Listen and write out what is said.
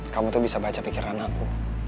kamu tuh bisa baca pikiran aku